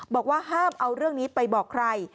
บอกว่าห้ามเอาเรื่องนี้ไปบอกใคร